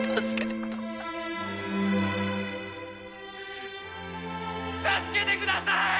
助けてください！